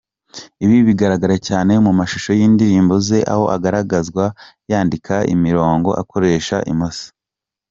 Ibi binagaragara cyane mu mashusho y’indirimbo ze aho agaragazwa yandika imirongo akoresha imoso.